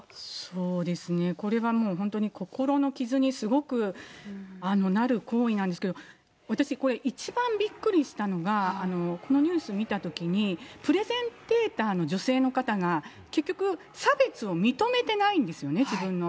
これはもう本当に、心の傷にすごくなる行為なんですけど、私、これ、一番びっくりしたのが、このニュース見たときに、プレゼンテーターの女性の方が、結局、差別を認めてないんですよね、自分の。